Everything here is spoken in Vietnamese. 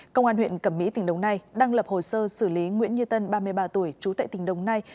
công an huyện cẩm mỹ tỉnh đồng nai đang lập hồ sơ xử lý nguyễn như tân ba mươi ba tuổi trú tại tỉnh đồng nai